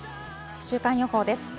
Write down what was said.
週間予報です。